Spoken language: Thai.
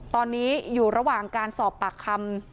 ตอนนี้อยู่ระหว่างการสอบปากคำ